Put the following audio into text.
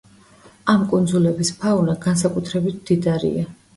ამ კუნძულების ფაუნა განსაკუთრებით მდიდარია.